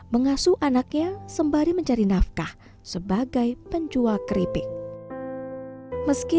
mengasuh anaknya sembari mencari nafkah sebagai penjual keripik meski